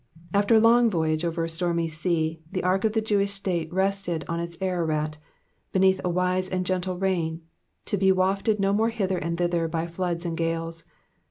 After a long voyage over a stormy sea, the ark of the Jewish state rested on its Ararat, beneath a wise and gentle reign, to be wafted no more hither and thither by floods and gales.